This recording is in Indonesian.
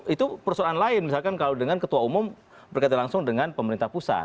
itu persoalan lain misalkan kalau dengan ketua umum berkaitan langsung dengan pemerintah pusat